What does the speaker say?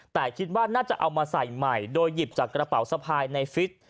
แต่คิดว่าน่าจะเอามาใส่ใหม่โดยหยิบจากกระเป๋าสะพายในฟิต